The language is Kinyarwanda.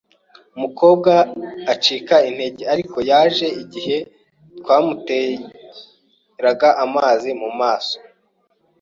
Umukobwa aracika intege, ariko yaje igihe twamuteraga amazi mumaso.